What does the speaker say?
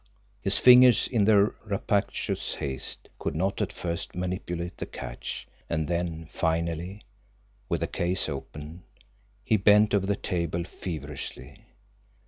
His fingers in their rapacious haste could not at first manipulate the catch, and then finally, with the case open, he bent over the table feverishly.